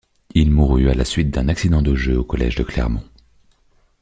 Il mourut à la suite d'un accident de jeu au collège de Clermont.